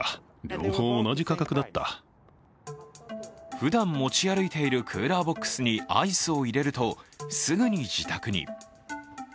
ふだん持ち歩いているクーラーボックスにアイスを入れるとすぐに自宅に。